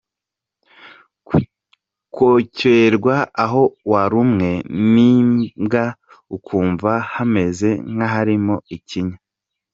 Kocyerwa aho warumwe n’imbwa ukumva hameze nk’aharimo ikinya.